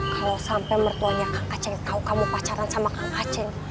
kalo sampe mertuanya kang acek tau kamu pacaran sama kang acek